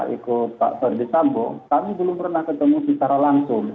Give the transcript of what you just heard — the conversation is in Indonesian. ikut pak ferdisambo kami belum pernah ketemu secara langsung